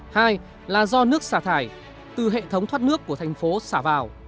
hai là do nước xả thải từ hệ thống thoát nước của thành phố xả vào